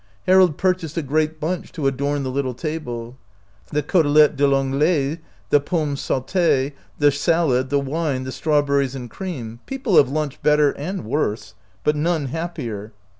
Harold purchased a great bunch to adorn the little table. The cotelette a P An glais, the potnmes saute, the salad, the wine, the strawberries and cream — people have lunched better and worse, but none happier.